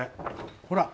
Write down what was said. ほら。